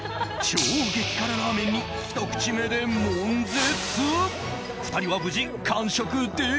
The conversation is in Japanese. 超激辛ラーメンにひと口目で悶絶。